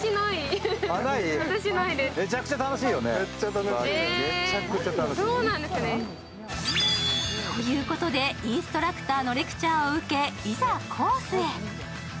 めちゃくちゃ楽しいよね。ということでインストラクターのレクチャーを受け、いざコースへ。